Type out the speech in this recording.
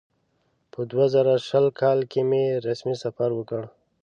په دوه زره شل کال کې مې رسمي سفر وکړ.